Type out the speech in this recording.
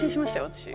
私。